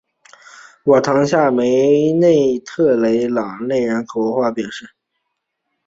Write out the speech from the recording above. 瓦唐下梅内特雷奥勒人口变化图示